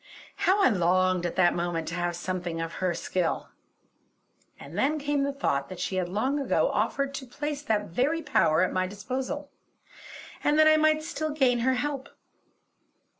How I longed at that moment to have something of her skill! And then came the thought that she had long ago offered to place that very power at my disposal; and that I might still gain her help.